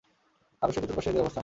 আরশের চতুর্পার্শ্বে এঁদের অবস্থান।